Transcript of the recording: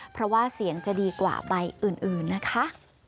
เพราะว่าเสียงจะดีกว่าใบอื่นนะคะ